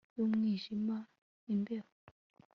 yumwijima imbeho